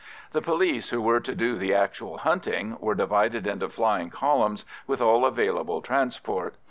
The police, who were to do the actual hunting, were divided into flying columns, with all available transport.